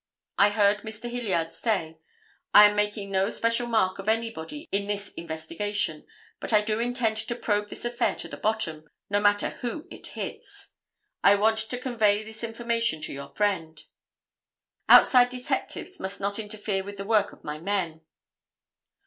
I heard Mr. Hilliard say, 'I am making no special mark of anybody in this investigation, but I do intend to probe this affair to the bottom, no matter who it hits. I want you to convey this information to your friend. Outside detectives must not interfere with the work of my men.